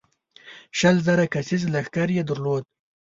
شل زره کسیز لښکر یې درلود.